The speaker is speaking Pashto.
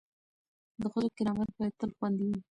د ښځو کرامت باید تل خوندي وي.